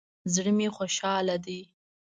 زړه می خوشحاله ده